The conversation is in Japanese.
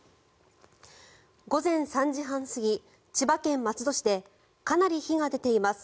午前３時半過ぎ千葉県松戸市でかなり火が出ています